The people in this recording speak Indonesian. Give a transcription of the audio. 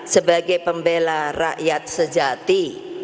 sebagai pembela rakyat sejati